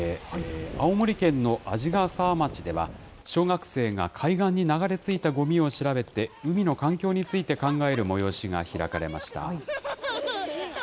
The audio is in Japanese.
青森県の鰺ヶ沢町では、小学生が海岸に流れ着いたごみを調べて、海の環境について考える催しが開かれました。